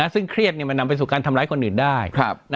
ซึ่งเครียดมันนำไปสู่การทำร้ายคนอื่นได้